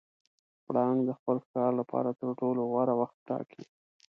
پړانګ د خپل ښکار لپاره تر ټولو غوره وخت ټاکي.